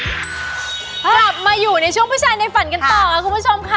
กลับมาอยู่ในช่วงผู้ชายในฝันกันต่อค่ะคุณผู้ชมค่ะ